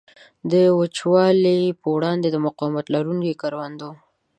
د وچوالي په وړاندې د مقاومت لرونکو کروندو.